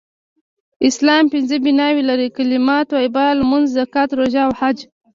اسلام پنځه بناوې لری : کلمه طیبه ، لمونځ ، زکات ، روژه او حج